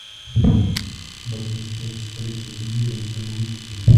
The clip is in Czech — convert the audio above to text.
Oba tenisté získali první grandslamový titul.